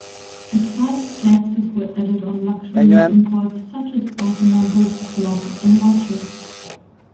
Excise taxes were added on luxury imports such as automobiles, clocks and watches.